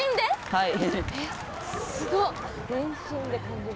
はい。